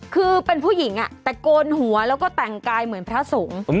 คือเป็นผู้หญิงแต่โกนหัวแล้วก็แต่งกายเหมือนพระสงฆ์